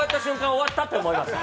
終わったと思いました。